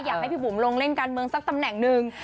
อยากให้พี่บุ๋มลงเล่นการเมืองสักตำแหน่งหนึ่ง